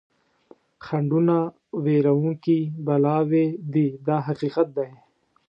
خنډونه وېروونکي بلاوې دي دا حقیقت دی.